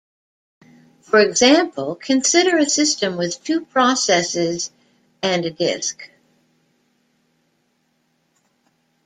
For example, consider a system with two processes and a disk.